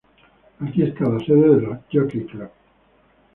Aquí está la sede del Jockey Club.